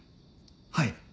はい。